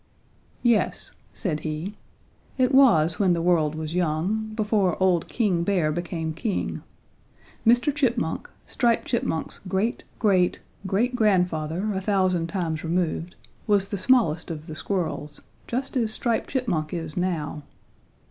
"Yes," said he, "it was when the world was young, before old King Bear became king. Mr. Chipmunk, Striped Chipmunk's great great great grandfather a thousand times removed, was the smallest of the squirrels, just as Striped Chipmunk is now.